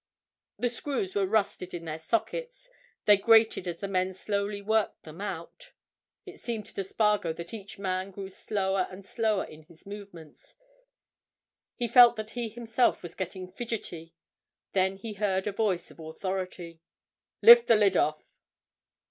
The screws were rusted in their sockets; they grated as the men slowly worked them out. It seemed to Spargo that each man grew slower and slower in his movements; he felt that he himself was getting fidgety. Then he heard a voice of authority. "Lift the lid off!"